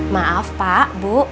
maaf pak bu